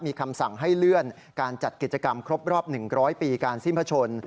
มีคำสั่งให้เลื่อนการจัดกิจกรรมครบรอบ๑๐๐ปีการสิ้นพระชน